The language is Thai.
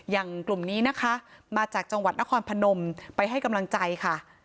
กลุ่มนี้นะคะมาจากจังหวัดนครพนมไปให้กำลังใจค่ะ